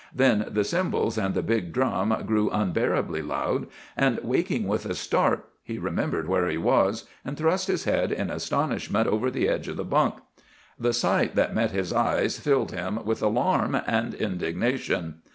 Then the cymbals and the big drum grew unbearably loud, and, waking with a start, he remembered where he was, and thrust his head in astonishment over the edge of the bunk. The sight that met his eyes filled him with alarm and indignation.